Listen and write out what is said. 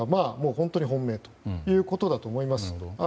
本当に本命ということだと思います。